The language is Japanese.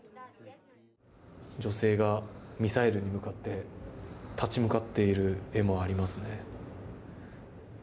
女性がミサイルに向かって立ち向かっている絵もありますね。